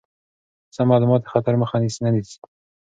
سم معلومات د خطر مخه نیسي.